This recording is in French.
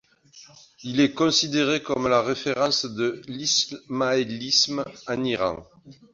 Il est considéré comme la référence de l'ismaélisme en Iran.